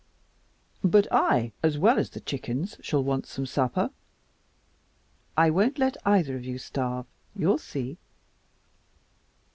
"But I, as well as the chickens, shall want some supper." "I won't let either of you starve. You'll see."